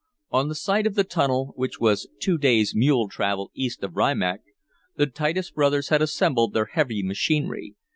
On the site of the tunnel, which was two days' mule travel east from Rimac, the Titus brothers had assembled their heavy machinery.